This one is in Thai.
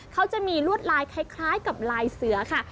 เขาจะมีลวดลายคล้ายกับลายเสือค่ะ